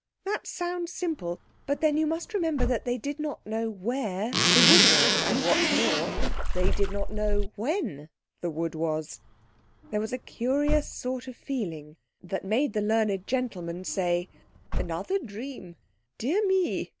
That sounds simple, but then you must remember that they did not know where the wood was, and what's more, they didn't know when then wood was. There was a curious sort of feeling that made the learned gentleman say— "Another dream, dear me!"